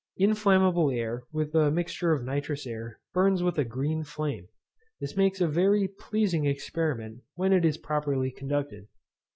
Inflammable air with a mixture of nitrous air burns with a green flame. This makes a very pleasing experiment when it is properly conducted.